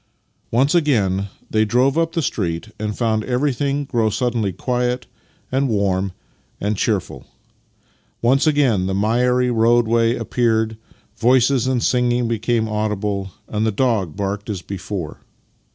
Once again they drove up the street and found ever3'thing grow suddenly quiet and warm and cheerful. Once again the miry roadway appeared, voices and singing became audible, and the dog barked as before.